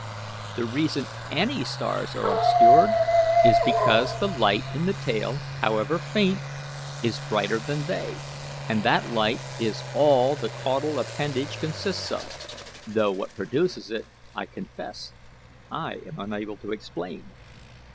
The reason ANY stars are obscured is because the light in the tail, however faint, is brighter than they, and that light is all that the caudal appendage consists of, though what produces it I confess I am unable to explain.